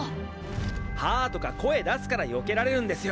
「はぁああ」とか声出すからよけられるんですよ。